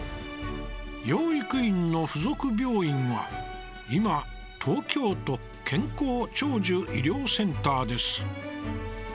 養育院の附属病院は、今東京都健康長寿医療センターです。